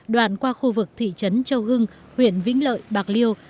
đoạn qua khu vực thị trấn châu hưng huyện vĩnh lợi bạc liêu